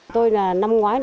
tôi là năm ngoái